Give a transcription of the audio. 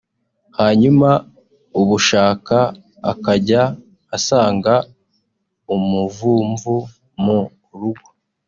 hanyuma ubushaka akajya asanga umuvumvu mu rugo